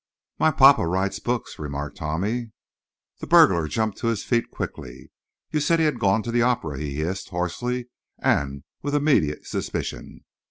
"My papa writes books," remarked Tommy. The burglar jumped to his feet quickly. "You said he had gone to the opera," he hissed, hoarsely and with immediate suspicion.